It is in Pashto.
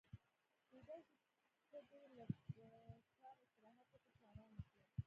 کېدای شي ته دې ته لږ شان استراحت ورکړې چې ارام وکړي.